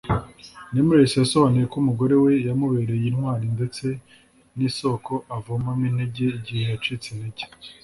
Nameless yasobanuye ko umugore we yamubereye intwari ndetse n’isoko avomamo intege igihe yacitse intege